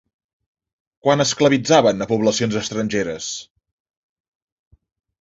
Quan esclavitzaven a poblacions estrangeres?